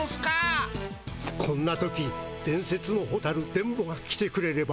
こんな時伝説のホタル伝ボが来てくれれば。